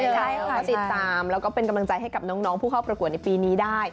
ใช่ติดตามและเป็นกำลังใจให้คุณพูดเข้าประกวดในปีนี้ได้